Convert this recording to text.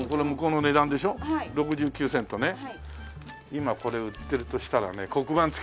今これ売ってるとしたらね黒板付きでしょ？